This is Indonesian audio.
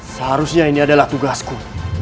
seharusnya ini adalah tugasku